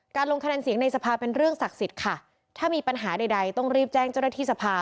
ลงคะแนนเสียงในสภาเป็นเรื่องศักดิ์สิทธิ์ค่ะถ้ามีปัญหาใดต้องรีบแจ้งเจ้าหน้าที่สภา